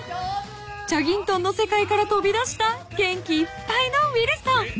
［チャギントンの世界からとび出した元気いっぱいのウィルソン］